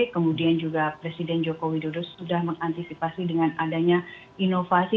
kemudian juga presiden joko widodo sudah mengantisipasi dengan adanya inovasi